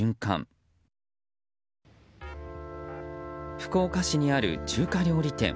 福岡市にある中華料理店。